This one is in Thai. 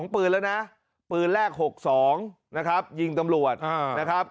ปืนแล้วนะปืนแรก๖๒นะครับยิงตำรวจนะครับ